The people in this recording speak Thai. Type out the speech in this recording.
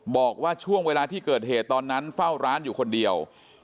บอกว่าช่วงเวลาที่เกิดเหตุตอนนั้นเฝ้าร้านอยู่คนเดียว